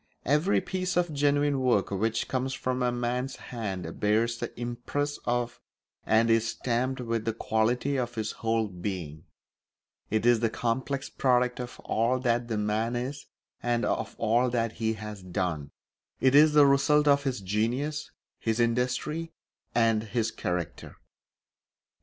Every piece of genuine work which comes from a man's hand bears the impress of and is stamped with the quality of his whole being; it is the complex product of all that the man is and of all that be has done; it is the result of his genius, his industry, and his character.